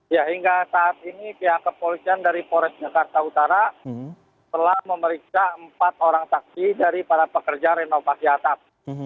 sehingga saat ini pihak kepolisian dari forest jakarta utara telah memeriksa empat orang saksi dari para pekerja renovasi atas